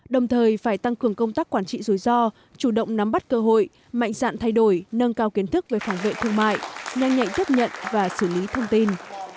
đồng thời phải tăng cường công tác quản trị rủi ro chủ động nắm bắt cơ hội mạnh dạn thay đổi nâng cao kiến thức về phòng vệ thương mại nhanh nhạy tiếp nhận và xử lý thông tin